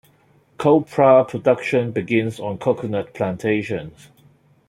Copra production begins on coconut plantations.